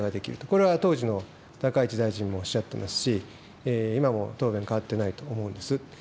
これは当時の高市大臣もおっしゃってますし、今も答弁変わってないと思うんです。